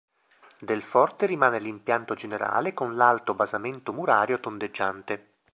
Del forte rimane l'impianto generale con l'alto basamento murario tondeggiante.